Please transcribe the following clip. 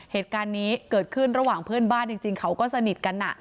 เหตุการณ์นี้เกิดขึ้นระหว่างเพื่อนบ้านจริงเขาก็สนิทกัน